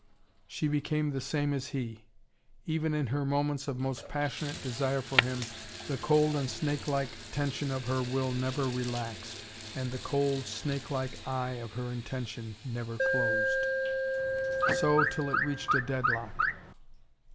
She became the same as he. Even in her moments of most passionate desire for him, the cold and snake like tension of her will never relaxed, and the cold, snake like eye of her intention never closed. So, till it reached a deadlock.